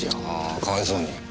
あぁかわいそうに。